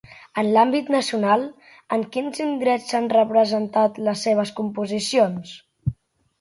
En l'àmbit nacional, en quins indrets s'han representat les seves composicions?